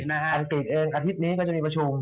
อังกฤษเองอาทิตย์นี้ก็จะมีประชุม